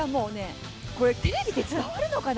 これ、テレビで伝わるのかな？